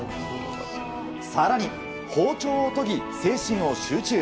更に、包丁を研ぎ精神を集中。